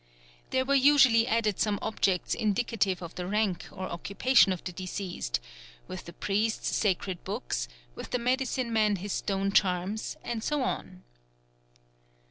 There were usually added some objects indicative of the rank or occupation of the deceased: with the priests sacred books, with the medicine man his stone charms, and so on.